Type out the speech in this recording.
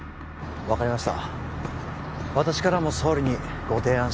分かりました